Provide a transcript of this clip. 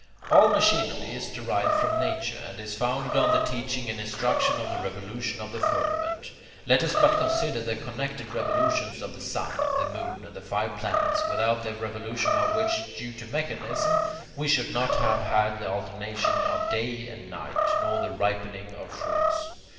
All machinery is derived from nature, and is founded on the teaching and instruction of the revolution of the firmament. Let us but consider the connected revolutions of the sun, the moon, and the five planets, without the revolution of which, due to mechanism, we should not have had the alternation of day and night, nor the ripening of fruits.